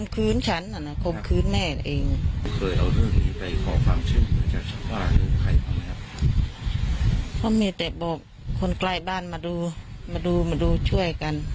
เพราะมีแต่บอกคนใกล้บ้านมาดูมาดูมาดูช่วยกัน